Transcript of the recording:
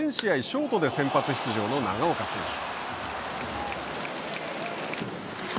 ショートで先発出場の長岡選手。